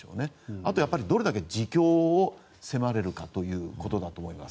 あと、どれだけ自供を迫れるかだと思います。